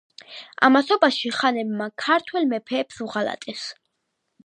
ამასობაში ხანებმა ქართველ მეფეებს უღალატეს.